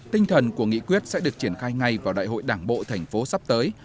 tinh thần của nghị quyết sẽ được triển khai ngay vào đại hội đảng bộ thành phố sắp tới